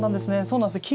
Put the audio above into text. そうなんですよ